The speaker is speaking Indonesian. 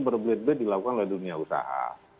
berbele bele dilakukan oleh dunia usaha